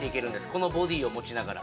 このボディーを持ちながら。